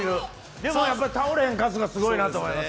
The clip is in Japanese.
でも倒れへん春日、すごいと思います。